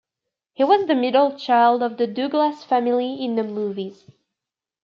He was the middle child of the Douglas family in the movies.